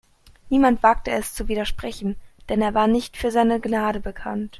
Niemand wagte es zu widersprechen, denn er war nicht für seine Gnade bekannt.